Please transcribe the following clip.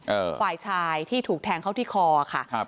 ฝ่ายชายที่ถูกแทงเข้าที่คอค่ะครับ